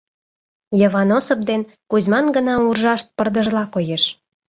Йыван Осып ден Кузьман гына уржашт пырдыжла коеш.